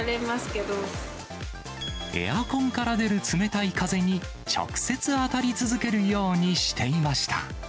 エアコンから出る冷たい風に、直接当たり続けるようにしていました。